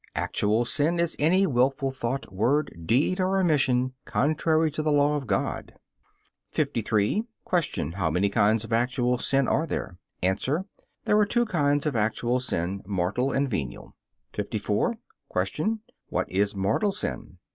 Actual sin is any wilful thought, word, deed, or omission contrary to the law of God. 53. Q. How many kinds of actual sin are there? A. There are two kinds of actual sin mortal and venial. 54. Q. What is mortal sin?